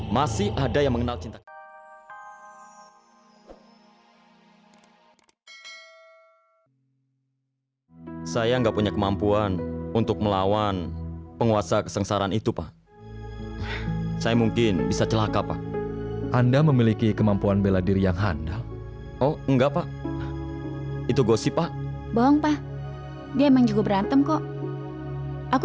masih ada yang mengenal cinta